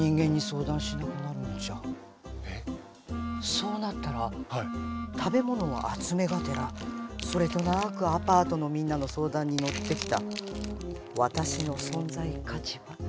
そうなったら食べ物を集めがてらそれとなくアパートのみんなの相談に乗ってきた私の存在価値は？